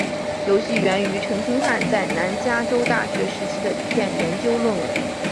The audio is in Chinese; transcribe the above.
游戏源于陈星汉在南加州大学时期的一篇研究论文。